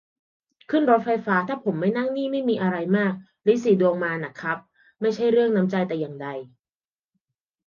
ขึ้นรถไฟฟ้า ถ้าผมไม่นั่งนี่ ไม่มีอะไรมาก ริดสีดวงมาน่ะครับ ไม่ใช่เรื่องน้ำใจแต่อย่างใด